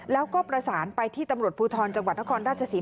แล้วก็ประสานไปที่ตำรวจภูทรจังหวัดนครราชศรี